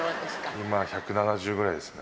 今、１７０ぐらいですね。